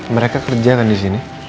mereka kerja kan di sini